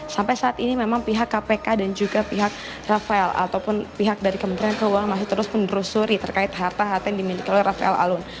sampai saat ini memang pihak kpk dan juga pihak rafael ataupun pihak dari kementerian keuangan masih terus menelusuri terkait harta harta yang dimiliki oleh rafael alun